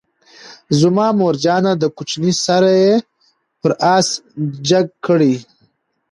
زما مورجانه دکوچنی سره یې پر آس جګ کړل،